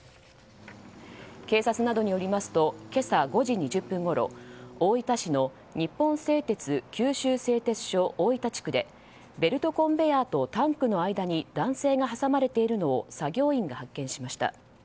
警察などによりますと今朝５時２０分ごろ、大分市の日本製鉄九州製鉄所大分地区でベルトコンベヤーとタンクの間に男性が挟まれているのを作業員が発見しました。